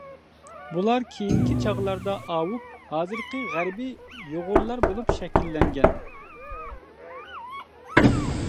بۇلار كېيىنكى چاغلاردا ئاۋۇپ، ھازىرقى غەربى يۇغۇرلار بولۇپ شەكىللەنگەن.